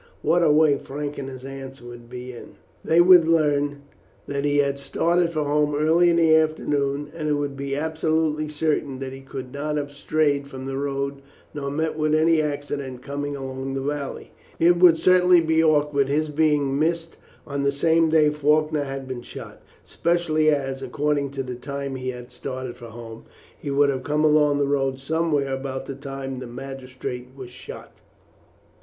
What a way Frank and his aunt would be in! They would learn that he had started for home early in the afternoon, and it would be absolutely certain that he could not have strayed from the road nor met with any accident coming along the valley. It would certainly be awkward his being missed on the same day Faulkner had been shot, especially as, according to the time he had started for home, he would have come along the road somewhere about the time the magistrate was shot.